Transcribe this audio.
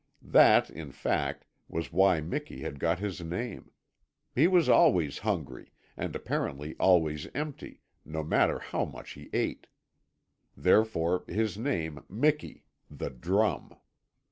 That, in fact, was why Miki had got his name. He was always hungry, and apparently always empty, no matter how much he ate. Therefore his name, Miki, "The drum."